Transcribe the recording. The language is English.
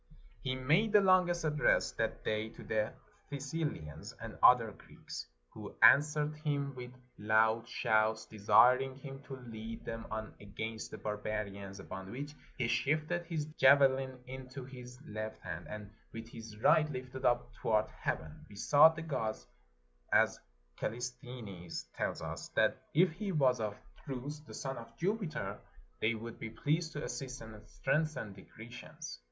He made the longest address that day to the Thessa lians and other Greeks, who answered him with loud shouts, desiring him to lead them on against the barba rians; upon which he shifted his javelin into his left hand, and with his right lifted up towards heaven, besought the gods, as Callisthenes tells us, that if he was of a truth the son of Jupiter, they would be pleased to assist and strengthen the Grecians.